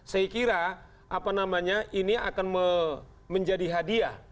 saya kira ini akan menjadi hadiah